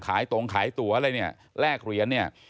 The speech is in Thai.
ตรงขายตัวอะไรเนี่ยแลกเหรียญเนี่ย